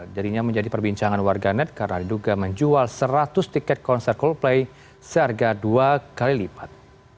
dirinya menjadi perbincangan warganet karena diduga menjual seratus tiket konser coldplay seharga dua kali lipat